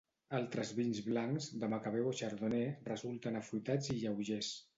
Altres vins blancs, de macabeu o chardonnay, resulten afruitats i lleugers.